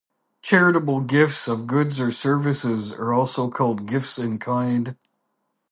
Charitable gifts of goods or services are also called gifts in kind.